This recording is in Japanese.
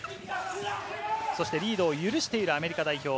そしてリードを許しているアメリカ代表。